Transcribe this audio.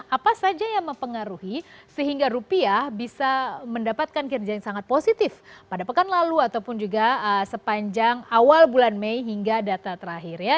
apa saja yang mempengaruhi sehingga rupiah bisa mendapatkan kinerja yang sangat positif pada pekan lalu ataupun juga sepanjang awal bulan mei hingga data terakhir ya